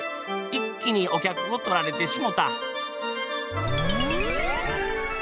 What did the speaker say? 一気にお客を取られてしもた。